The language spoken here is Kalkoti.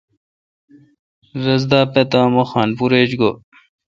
رس دا پتا می خان پور ایچ گو۔